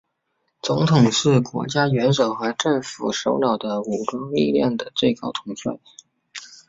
总统是国家元首和政府首脑和武装力量最高统帅。